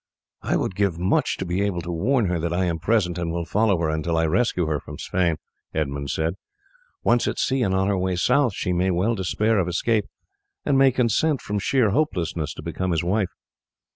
"I would give much to be able to warn her that I am present and will follow her until I rescue her from Sweyn," Edmund said. "Once at sea and on her way south she may well despair of escape, and may consent, from sheer hopelessness, to become his wife.